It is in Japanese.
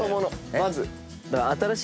まず。